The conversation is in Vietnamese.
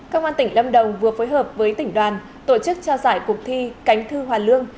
công an tỉnh lâm đồng vừa phối hợp với tỉnh đoàn tổ chức trao giải cuộc thi cánh thư hoàn lương